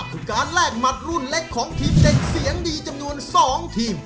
คือการแลกหมัดรุ่นเล็กของทีมเด็กเสียงดีจำนวน๒ทีม